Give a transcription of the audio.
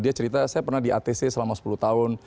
dia cerita saya pernah di atc selama sepuluh tahun